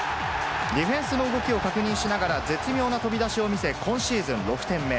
ディフェンスの動きを確認しながら、絶妙な飛び出しを見せ、今シーズン６点目。